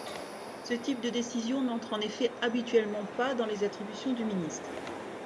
Ce type de décision n'entre en effet habituellement pas dans les attributions du ministre.